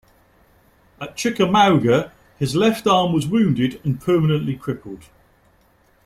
At Chickamauga, his left arm was wounded and permanently crippled.